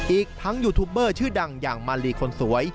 อีกทั้งยูทูปเบอร์ชื่อดังอย่างมาลีคนสวย